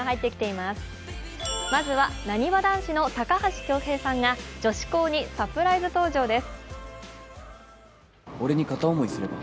まずはなにわ男子の高橋恭平さんが女子高にサプライズ登場です。